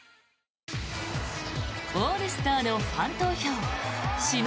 オールスターのファン投票指名